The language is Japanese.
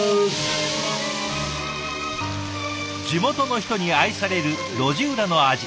地元の人に愛される路地裏の味